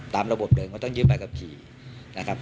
ตามระบบเดิมก็ต้องยึดใบขับขี่นะครับ